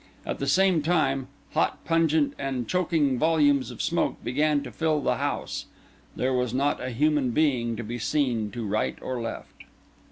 At the same time, hot, pungent, and choking volumes of smoke began to fill the house. There was not a human being to be seen to right or left.